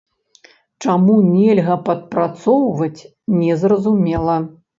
Чаму нельга падпрацоўваць, незразумела.